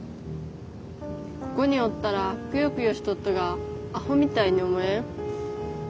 ここにおったらくよくよしとっとがアホみたいに思えん？